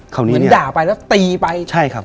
เหมือนด่าไปแล้วตีไป